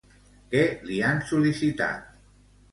Què li han sol·licitat?